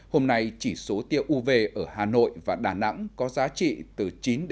hôm nay chỉ số tiêu uv ở hà nội và đà nẵng có giá trị từ chín năm mươi